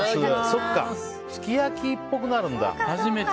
そっか、すき焼きっぽくなるんだ。